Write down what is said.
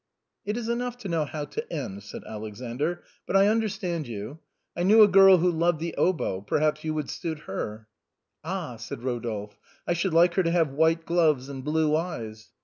" It is enough to know how to end," said Alexander ;" but I understand you. I know a girl who loved the oboe, perhaps you would suit her." "Ah !" said Rodolphe. " I should like her to have white gloves and blue eyes."